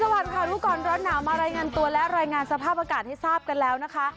สวัสดีค่ะรู้ก่อนร้อนหนาวมารายงานตัวและรายงานสภาพอากาศให้ทราบกันแล้วนะคะ